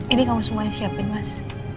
ini kamu semuanya siapin mas